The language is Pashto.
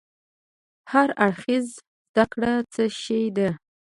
هر اړخيزه زده کړه څه شی ده؟